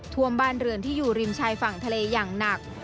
ท่วมบ้านเรือนที่อยู่ริมชายฝั่งทะเลอย่างหนัก